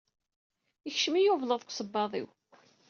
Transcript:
Ikcem-iyi ublaḍ deg usebbaḍ-iw.